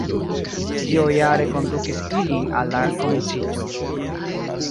Tio ja rekondukis ilin al la komenciĝo.